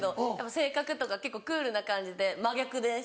性格とか結構クールな感じで真逆です。